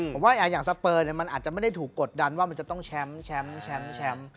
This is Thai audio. ผมว่าอย่างสเปอร์มันอาจจะไม่ได้ถูกกดดันว่ามันจะต้องแชมป์แชมป์